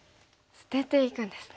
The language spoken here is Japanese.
捨てていくんですね。